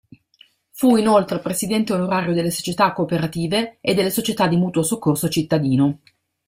Fu inoltre presidente onorario delle società cooperative e delle società di mutuo soccorso cittadino.